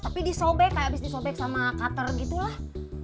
tapi disobek kayak abis disobek sama cutter gitu lah